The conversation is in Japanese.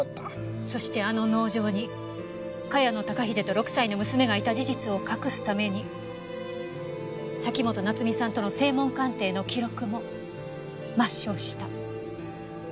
そしてあの農場に茅野孝英と６歳の娘がいた事実を隠すために崎本菜津美さんとの声紋鑑定の記録も抹消した。